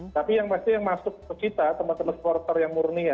tapi yang pasti yang masuk ke kita teman teman supporter yang murni ya